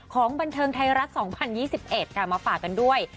ของบันเทิงไทยรัฐ๒๐๒๑ค่ะมาฝากกันด้วย